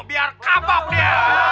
biar kapok dia